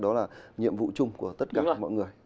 đó là nhiệm vụ chung của tất cả mọi người